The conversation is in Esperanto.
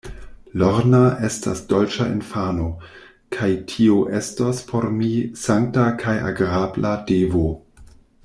Lorna estas dolĉa infano, kaj tio estos por mi sankta kaj agrabla devo.